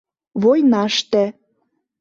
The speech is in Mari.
Войнаште.